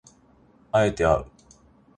敢えてあう